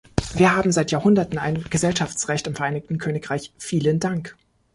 Wir haben seit Jahrhunderten ein Gesellschaftsrecht im Vereinigten Königreich, vielen Dank.